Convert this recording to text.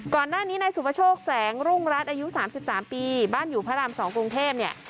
ก่อนหน้านี้ในสุภโชคแสงรุ่งรัฐอายุสามสิบสามปีบ้านอยู่พระรามสองกรุงเทพเนี่ย